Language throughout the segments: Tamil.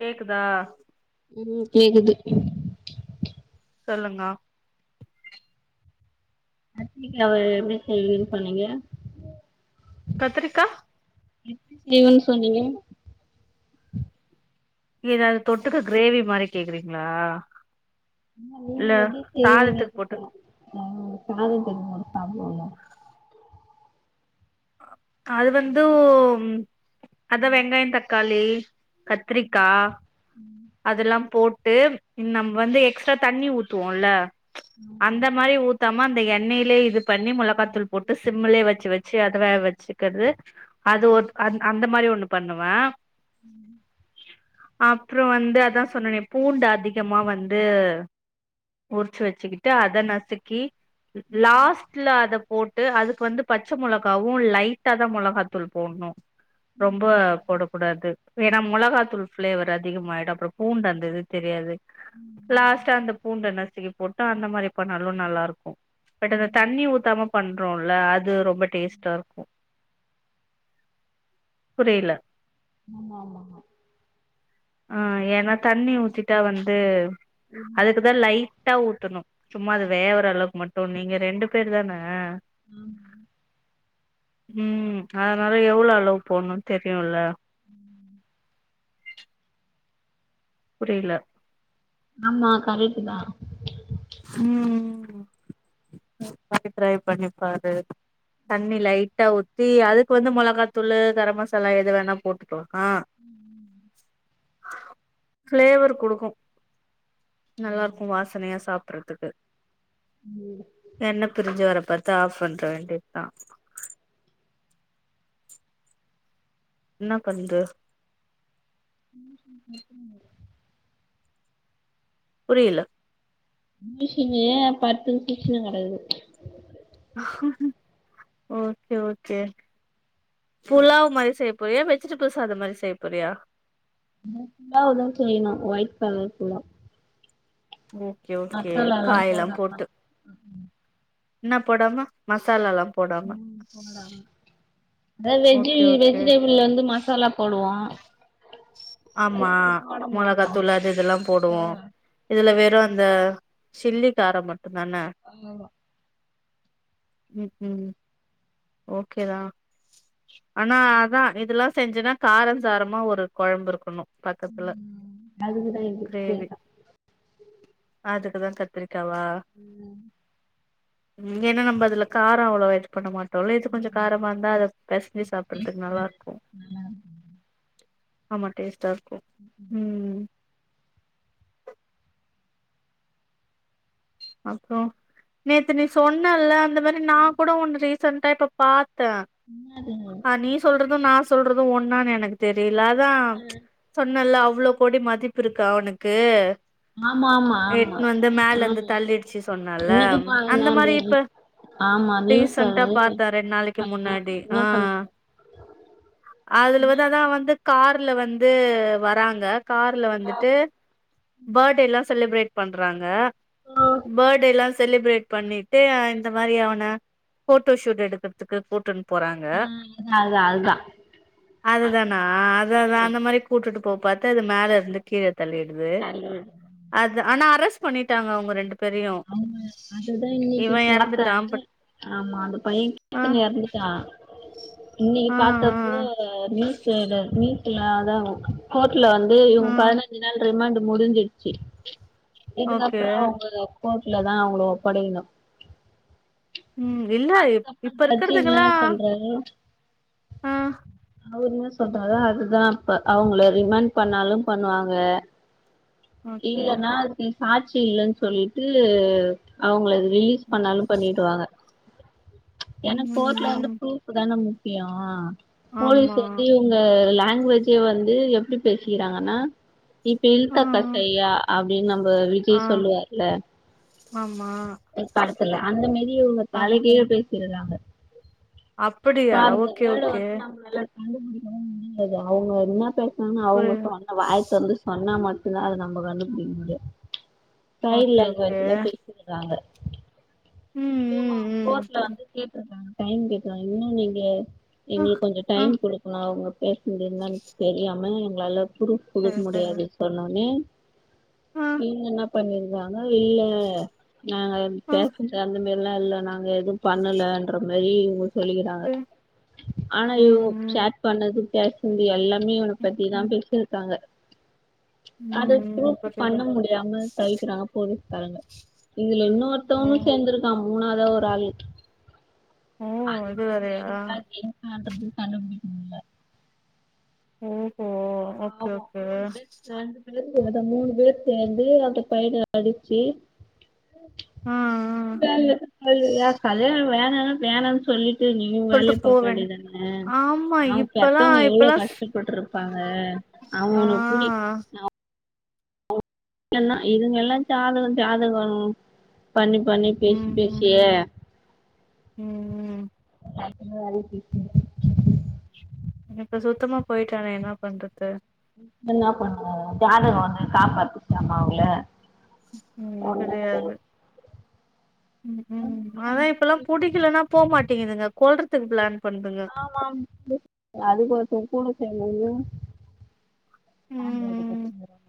கேக்குதா உம் கேக்குது சொல்லுங்க கத்ரிகாவ எப்டி செய்வனு சொன்னீங்க கத்ரிக்கா எப்படி செய்வன் சொன்னீங்க ஏதாது தொட்டுக்க கிரேவி மாரி கேக்றீங்ளா நீங்க எப்டி செய்வீங்க சாதத்துக்கு போட்டு சிஸ்டர் நாங்க சாதத்துக்கு போட்டு சாப்பிடுவோம்லா அது வந்தூ அத வெங்காயோ தக்காளி கத்ரிக்கா அதெல்லா போட்டு நம்ம வந்து எக்ஸ்ட்ரா தண்ணி ஊத்துவோல அந்த மாரி ஊத்தாம அந்த எண்ணெயிலே இது பண்ணி மோளகாத்தூள் போட்டு சிம்லயே வச்சு வச்சு அத வேக வச்சுக்கிறது அது ஒரு அந்த மாரி ஒண்ணு பண்ணுவ உம் அப்றோ வந்து அதா சொன்னனே பூண்டு அதிகமா வந்து உரிச்சு வச்சுக்கிட்டு அத நசுக்கி லாஸ்ட்ல அத போட்டு அதுக்கு வந்து பச் பச்ச மோளகாவு லைட்டா தா மோளகா தூள் போடணும் ரொம்ப போட கூடாது ஏன்னா மோளகாதூள் பிளேவர் அதிகமாயிடு அப்றோ பூண்டு அந்த இது தெரியாது லாஸ்ட் அந்த பூண்ட நசுக்கி போட்டு அந்த மாரி பண்ணாலு நல்லா இருக்கோ பட் அந்த தண்ணி ஊத்தாம பண்றோல அது ரொம்ப டேஸ்டா இருக்கோ புரியல ஆமா ஆமா ஆமா ஆ ஏன்னா தண்ணி ஊத்திட்டா வந்து அதுக்குதா லைட்டா ஊத்தணோ சும்மா அது வேவுர அளவுக்கு மட்டு நீங்க ரெண்டு பேர் தானே ஆமா ம் அதனால எவ்ளோ அளவு போட்ணோ தெரியுல புரியில ஆமா கரெட்டுதா ம் நீ [inaudible] வாட்டி ட்ரை ட்ரை பண்ணிப்பாரு தண்ணி லைட் டா ஊத்தி அதுக்கு வந்து மொளகாத்தூளு கரம் மசாலா எது வேணா போட்டுக்கலா ஆ ஃபிளேவர் கொடுக்கு நல்லா இருக்கு வாசனையா சாப்புறதுக்கு ம் எண்ண பிரிஞ்சி வர பாத்து ஆஃப் பண்ற வேண்டியதா இன்னா பண்து [inaudible] புரியில முனிஷனு பத்து ஃபிஷ்னு கெடயாது ஓகே ஓகே ஃபுலாவ் மாரி செய்ய போறியா வெஜிடபிள் சாத மாரி செய்ய போறியா இங்க ஃபுலாவ்தா செய்யணு white colour pulao okay okay காய் எல்லா போட்டு இன்ன போடாம மசாலலா போடாம அத வெஜ்ஜி ஓகே ஓகே வெஜிடபிளுல வந்து மசாலா போடுவோ ஆமா மெளகா தூள் அது இதுல்லா போடுவோ இதுல வெறு அந்த சில்லிக்கார மட்டுதானே ஆமா ம் ம் ஓகேதா ஆனா அதா இதுல்லா செஞ்சனா காரஞ் சாரமா ஒரு கொழம்பு இருக்கணு பக்கத்துல கிரேவி அதுக்குதா கத்திரிக்காவா ம் ம் ஏன்னா நம்ப அதுல காரொ அவ்ளோ இது பண்ண மா ட்டோ இல்ல இது கொஞ்ச காரமா இருந்தா அத பெசஞ்சி சாப்புறதுக்கு நல்லா இரு க்கு ஆமா டேஸ்டா இருக்கு ம் ஹும் ம் அப்புறோ நேத்து நீ சொன்னேல அந்த மாரி நா கூட ஒன்னு ரீசன்டா இப்ப பாத்தே என்னது அ நீ சொல்றது நா சொல்றது ஒன்னானு எனக்கு தெரியில அதா சொன்னேல்ல அவ்ளோ கோடி மதிப்புருக்கு அவனுக்கு ஆமா ஆமா ஆமா எட்னு வந்து மேல இந்து ஆமா தள்ளிடுச்சு சொன்னேல இன்னைக்கு பாருங்க அந்த மாரி இப்ப ஆமா நியூஸ்ல டிசன்ட்டா பாத்த ரெண்டு நாளைக்கு ஆ முன்னாடி ஆ என்ன சொன்னாங்க அதுல வந்து அதா வந்து கார்ல வந்து வராங்க கார்ல வந்துட்டு பேட்டே எல்லா செலிப்ரேட் பண்றாங்க பேட்டேல்லாச் செலிப்ரேட் பண்ணிட்டு இந்த மாரி அவன ஃபோட்டோ ஷூட் எடுக்குறதுக்கு கூட்டுன் போறாங்க ஆ அதா அதா அதுதானா அதா அதா அந்த மாரி கூட்டுட்டு போக பாத்து அது மேல இருந்து கீழ தள்ளிடுது ம் அது ஆனா அரெஸ்ட் பண்ணிட்டாங்க அவங்க ரெண்டு பேரையு ஆமா அதுதா இவ இன்னைக்கு பாத்தே எறந்துட்டா பட் ஆமா அந்த பையே ஆ [unintelligible] இன்னைக்கு ஆ பாத்தப்போ நிய நியூஸ்ல அதா கோர்ட்டுல வந்து ஆ ஆ இவங்க பதினஞ்சு நாள் ரிமாண்ட் முடிஞ்சிருச்சு ஓகே இதுக்கப்பறோ அவங்க கோட்ல தா அவன ஒப்படைக்கணு ம் இல்ல இப்ப இருக்கறதுங்களா தன்யூட் ஆ அவரு இன்ன சொல்றாறோ அதுதா இப்ப அவங்கள ரிமண்ட் பண்ணாலும் பண்ணுவாங்க ஓகே இல்லன்னா அதுக்கு சாட்சி இல்லன்னு சொல்லிட்டு அவங்கள ரிலீஸ் பண்ணாலும் பண்ணிடுவாங்க ஏன்னா கோட்ல வந்து ம் ப்ரூப் தான முக்கியோ போலீஸ் ஆமா வந்து உங்க லாங்குவேஜே வந்து எப்டி பேசிக்கிறாங்கன்னா இப்ப ஆ ல்தகசையா அப்டின்னு நம்ம ஆ விஜய் சொல்லுவார்ல ஆமா ஒரு படத்துல அந்த மாரியே இவங்க ஆமா தலைகீழ பேசிருக்காங்க அப்படியா பாருங்க ஓகே ஏழு ஓகே வந்து நம்ளல்ல கண்டுபுடிக்கவும் முடியாது அவங்க என்ன பேசுன்னா ஒரு அவங்களுக்கு வாயத் தொறந்து சொன்னா மட்டும் தான் அது நம்ம கண்டுபுடிக்க முடியும் ஓகே ஓகே விட்டுட்டாங்க ம் இவங்க ம் ம் கோட்ல வந்து டைம் கேக்குறாங்க இன்னும் நீங்க ஆ எங்களுக்கு கொஞ்ச ஆ டைம் குடுக்கணும் அவங்க பேஷண்ட் இருந்தால தெரியாமல் எங்களால் ப்ரூஃப் சரி குடுக்க சரி முடியாது சொன்னோனே ஆ இவங்க என்ன பண்ணிருக்காங்க இல்ல நாங்க ஆ பேசறது அந்த மாரில்லா இல்ல நாங்க எதுவும் பண்ணலன்ற மாரி சொல்லிக்கிறாங்க சரி ஆனா ம் இவங்க ம் சேட் பண்ணது பேசந்து எல்லா ஃயூன பத்தி ஓகே தா ம் பேசி இருக்காங்க அத ம் ப்ரூவ் புரியுது பண்ண முடியல தெரியாம தவிக்கிறாங்க போலீஸ்காரங்க இதுல ஓ இன்னொருத்தவன்னும் சேந்திருக்கா மூணாவாதா ஒரு ஆளு ஓ அது இது வந்து வேறயா லேடிஸா ஜென்ஸான்றது கண்டுபுடிக்க முடியல ஓ ஹோ பவோ மூணு பேர் ரெண்டு பேரு அத மூணு பேர் சேந்து அந்த பையன அடிச்சு ஆ கல்யாணோ வேணான்னா வேணான்னு சொல்லி ட்டு நீ ஊ சொல்ட்டு வேலைய போ பாக்க வேண்டி வேண்டியதான ஆமா பவோ இப்பல்லா பெத்தவங்க எவ்வளோ இப்பல்லா கஷ்டப்பட்ருப்பாங்க ஆ அவங்க ஒன்ன புடி என்ன இதுங்க எல்லாம் ஜாதக ஜாதகொ பண்ணி பண்ணி ம் பேசி பேசியே ம் ம் லைஃபயே அழிச்சிடுச்சுங்க இப்ப சுத்தமா போயிட்டானே என்ன பண்றது இப்ப என்ன பண்ண ஜாதகோ வந்து காப்பாத்துச்சாமா அவங்கள ம் ஒனக்கு தெரியாது ம் ம் அதான் இப்பல்லா புடிக்கலன்னா போமாட்டேங்குதுங்க கொல்றதுக்கு பிளான் பண்ணுதுங்க ஆமாம் அது போத்த கூட சேந்து [unintelligible] ஆ ம் [unintelligible]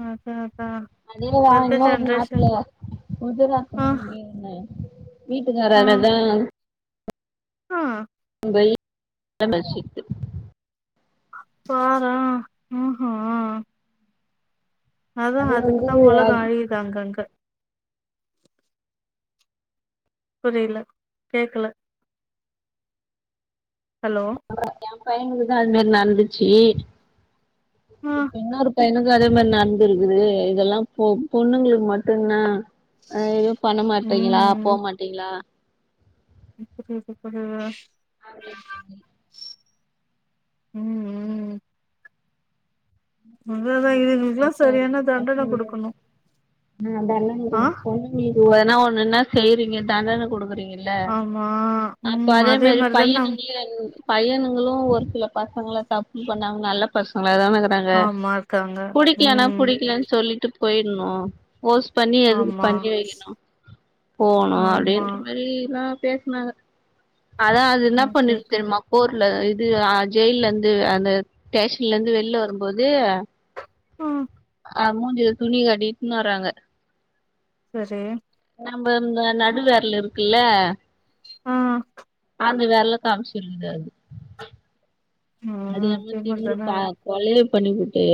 ஆ ஹ அதேதான் இன்னொரு நாட்ல உதுறா ஆ [unintelligible] ஆ வீட்டுக்காராலதான் ஆ [inaudible] பாரேன் ம்ஹு அதான் அதுக்குதான் உலகோ அழியுது அங்க அங்க புரில கேக்கல ஹலோ அதான் என் பையனுக்குதான் அது மாரி நடந்துச்சு ஆ இப்ப இன்னொரு எனக்கு அதே மாரி நடந்து இருக்குது இதெல்லா பொ பொண்ணுங்களுக்கு மட்டு்ந்தான் எது பண்ண மாட்டீங்ளா ம் போமாட்டீங்ளா [unintelligible] அப்டின் ம் ம் அதான் அதான் இதுங்களுக்கெல்லா கரெக்டா சரியான தண்டனை குடுக்கணு ஆ தண்டன ஆ [unintelligible] ஒண்ணுன்னா செய்யறீங்க தண்டன குடுக்கறீங்க இல்ல ஆமா அப்ப ம் அதே மாரி மாரிதான பைய்ன்னுங்ளயு பையனுங்களு ஒரு சில பசங்கள தப்பு பண்ணாங்க நல்ல பசங்களாதான ஆமா இருக்காங்க புடிக்கலனா ம் புடிக்கலன்னு சொல்லிட்டு போயிடுணு ஃபோர்ஸ் பண்ணி எதுக்கு ஆமா பண்ணி வெக்கணு போணா ஆமா அப்டின்ற மாரியெல்லா பேசினாங்க அதான் அது என்னா ஓகே பண்ணிருக்கு ஓகே தெரிமா போர்ல இது ஜெயிலிந்து அந்த ஸ்டேஷன்லிந்து வெளில வரும்போது ஆ ஆ மூஞ்சில துணி கட்டின்னு இட்டுனு வர்றாங்க சரி நம்ம இந்த நடுவிரல் இருக்கல்ல ஆ அந்த விரல காமிச்சிருந்தாரு ஆ அது எங்க அதே திரும்பி மாரிதான பா கொலைய பண்ணி புட்டு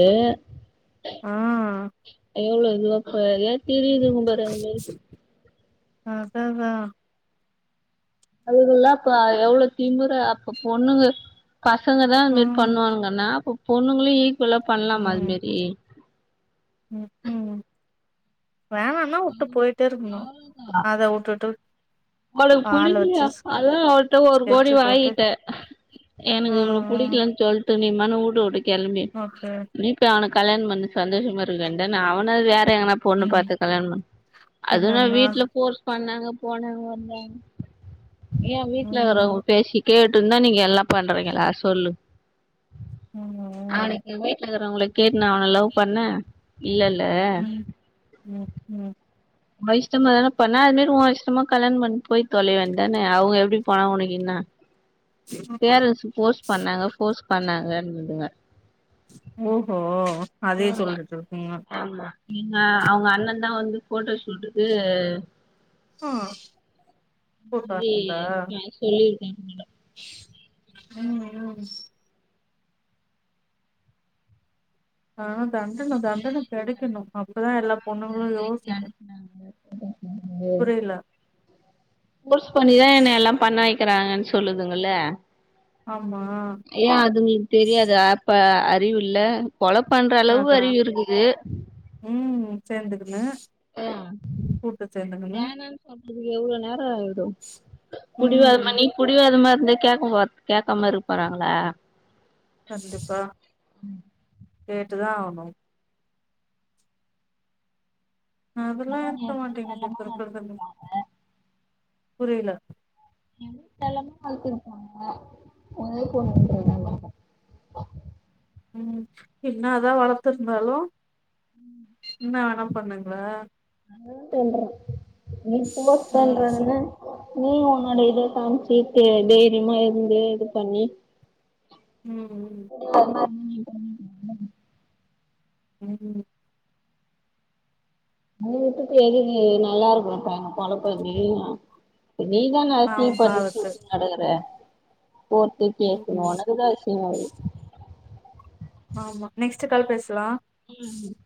ஆ எவ்ளோ இதுவா பா ஏ திரியுதும்பாரு அது மாரி அதான் அதான் அதுகல்லா பா எவ்ளோ திமிறா அப்ப பொண்ணுங்க பசங்கதான் ஆ அந்த மாரி பண்ணுவானுங்கன்னா அப்போ பொண்ணுங்களு ஈக்குவலா பண்லாமா அதுமாரி ம்ஹூ வேணானா வுட்டு போயிட்டே இருக்கணு அத வுட்டுட்டு ம்மாளுக்கு ஆள வச்சு புடிக்கலையா ஸ் அதான் அவட்ட ஒரு கோடி ஸ்கெட்சு போட்டு வாங்கிட்டேன் ஆ எனக்கு இவன ஆ புடிக்கலன்னு சொல்ட்டு நீ வேணா வூட்ட விட்டு கிளம்பி ஓகே நீ ட்டு அவன கல்யாணம் பண்ணி சந்தோஷமா இருக்க வேண்டினா அவன வேற எங்கனா பொண்ணு ம் பாத்து கல்யாணோ அதுனா பின்னன்னா வீட்டல ஃபோர்ஸ் பண்ணாங்க போனாங்க என் வீட்ல ம் வர்றவங்க பேசி கேட்டுன்தா நீங்க எல்லா பண்றீங்களா சொல்லுங் நா ம் உங்ள கேட்டுனா அவன லவ் பண்ணே இல்லல்ல ம் ம் ம் ஓ இஷ்டமா தானே பண்ண அது மாரி ஒ இஷ்டமா கல்யாணம் பண் போய் தொலைய வேண்தான அவுங்க எப்டி போனா ஒனக்கின்னா பேரன்ஸ்ஸு ஃபோர்ஸ் பண்ணாங்க ஃபோர்ஸ் பண்ணாங்கன்துங்க ஓஹோ அதே சொல்லிட்டு இருக்குங்க ஏங்க அவுங்க அண்ணந் தா வந்து போட்டோ ஷூட்டுக்கு ஆ கூட்டோ இருந்தா [unintelligible] சொல்லிருக்கே [unintelligible] ம் ம் ஆ தண்டன தண்டன கெடைக்கணு அப்பதா எல்லா பொண்ணுங்களு யோசிக்கு புரியல [inaudible] ஃபோர்ஸ் பண்ணிதா என்ன எல்லா பண்ண வக்கிறாங்கனு சொல்லுதுங்கல்ல ஆமா ஏ அதுங்ளுக் தெரியாது அப்ப அறிவுல்ல கொல பண்ற அளவு அதா அறிவு இர்க்குது ம் சேந்துக்குனு ஏ கூட்டு சேந்துக்குனு வேணான் அப்புடி எவ்ளோ நேரொ ஆயிடு ம் புடிவாதமா நீ புடிவாதமா இருந்தி கேக்க போற் கேக்காம இருக்க போறாங்களா கண்டிப்பா கேட்டுதா ஆகணு அதெல்லா இர்க்க மாட்டேங்கிது [unintelligible] புரிய்ல என்ன செல்லமா வள்த்திருப்பாங்க ஒரே [unintelligible] ம் என்ன தா வளத்துருந்தாலு என்ன வேணா பண்ணுங்ளா அதா சொல்றே நீ ஃபோர்ஸ் ம் பண்றாங்கன் த நீ ஒன்னோட இத காமிச்சு தெ தைரிய்மா இருந்து இது பண்ணி ம் ம் ஆமாம் ம் உ வீட்டுக்கு எதுக்கு நல்லா இருக்குற பையன கொழப்றத [unintelligible] நீதான பாவோ அசிங் பண்ணி பாவத்து ஷூட்டிங் நடக்கற போ து கேக்கனு ம் ஒனக்கு தா அசிங்கொ அது ஆமா நெக்ஸ்ட் கால் பேசலா ம்